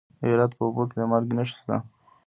د هرات په اوبې کې د مالګې نښې شته.